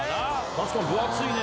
確かに分厚いね！